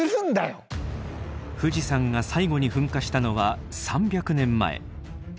富士山が最後に噴火したのは３００年前。